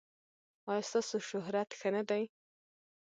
ایا ستاسو شهرت ښه نه دی؟